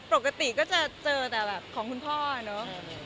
ปกติจะเจอแบบของคุณพ่อ